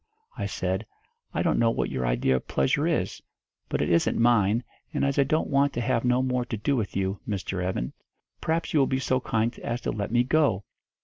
I said, 'I don't know what your idea of pleasure is, but it isn't mine, and as I don't want to have no more to do with you, Mr. Evans, perhaps you will be so kind as to let me go.'